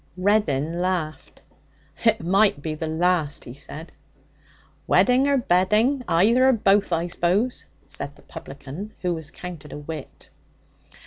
Reddin laughed. 'It might be the last,' he said. 'Wedding or bedding, either or both, I suppose,' said the publican, who was counted a wit.